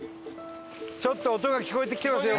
ちょっと音が聞こえてきてますよ